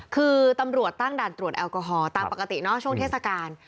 คือตำรวจตั้งด่านตรวจแอลกอฮอลตามปกติเนาะช่วงเทศกาล